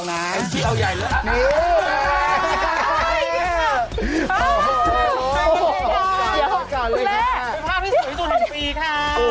ภาพที่สวยสุดหนึ่งปีค่ะ